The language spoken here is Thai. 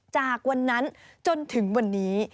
จากวันนั้นจนถึงวันนี้